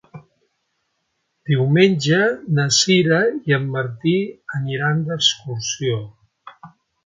Diumenge na Sira i en Martí aniran d'excursió.